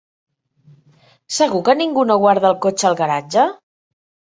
Segur que ningú no guarda el cotxe al garatge?